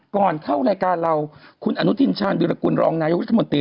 ก่อนเข้ารายการเราคุณอนุทินชาญวิรากุลรองนายกรัฐมนตรี